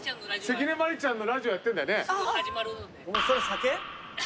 関根麻里ちゃんのラジオやってんだよね？